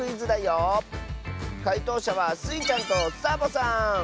かいとうしゃはスイちゃんとサボさん！